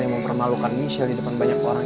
yang mempermalukan michelle di depan banyak orang